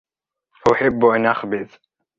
احب ان اخبز.